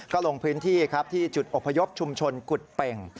ก็ลงพื้นที่ครับที่จุดอพยพชุมชนกุฎเป่ง